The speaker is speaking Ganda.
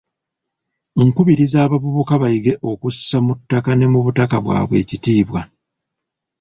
Nkubiriza abavubuka bayige okussa mu ttaka ne mu butaka bwabwe ekitiibwa.